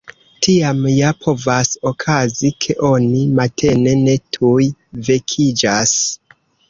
Tiam ja povas okazi, ke oni matene ne tuj vekiĝas.